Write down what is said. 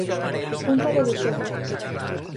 Punta do Becerro.